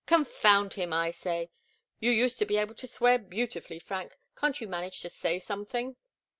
Confound him, I say! You used to be able to swear beautifully, Frank can't you manage to say something?"